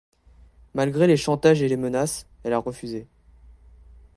Malgré les chantages et les menaces elle a refusé.